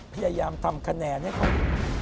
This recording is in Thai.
พยายามทำแขนาเนี่ย